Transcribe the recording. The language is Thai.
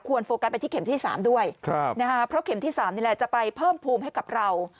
โฟกัสไปที่เข็มที่๓ด้วยเพราะเข็มที่๓นี่แหละจะไปเพิ่มภูมิให้กับเรา